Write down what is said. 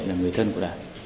là người thân của đạt